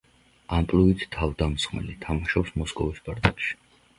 ამპლუით თავდამსხმელი, თამაშობს მოსკოვის სპარტაკში.